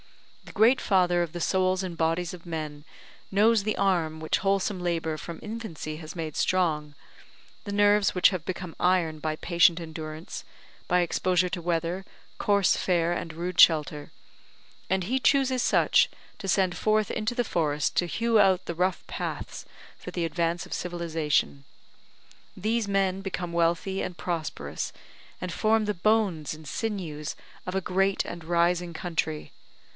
The Great Father of the souls and bodies of men knows the arm which wholesome labour from infancy has made strong, the nerves which have become iron by patient endurance, by exposure to weather, coarse fare, and rude shelter; and He chooses such, to send forth into the forest to hew out the rough paths for the advance of civilization. These men become wealthy and prosperous, and form the bones and sinews of a great and rising country.